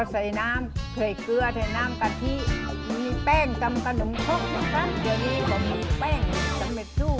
เดี๋ยวนี้ก็มีเป้งกำเม็ดซุก